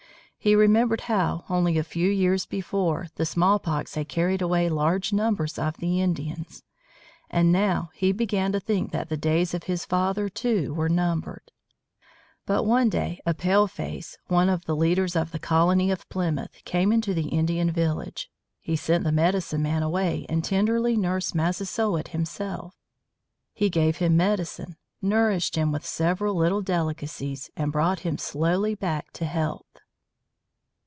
He remembered how, only a few years before, the smallpox had carried away large numbers of the Indians, and now he began to think that the days of his father, too, were numbered. But one day a paleface, one of the leaders of the colony at Plymouth, came into the Indian village. He sent the medicine man away and tenderly nursed Massasoit himself. He gave him medicine, nourished him with several little delicacies, and brought him slowly back to health.